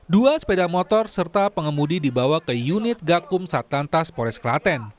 dua sepeda motor serta pengemudi dibawa ke unit gakum satlantas pores klaten